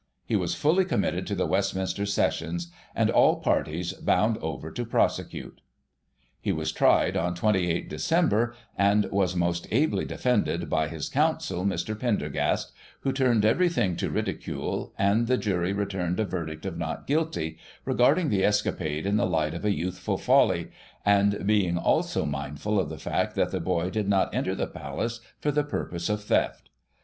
He was fully committed to the Westminster Sessions, and all parties bound over to prosecute. He was tried on 28 Dec, and was most ably defended by his Counsel, Mr. Prendergast, who turned everything to ridicule, and the jury returned a verdict of Not Guilty, re garding the escapade in the light of a youthful folly, and being, also, mindful of the fact that the boy did not enter the Palace for the purpose of theft.